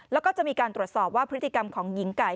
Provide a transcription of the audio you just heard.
แล้วก็จะมีการตรวจสอบว่าพฤติกรรมของหญิงไก่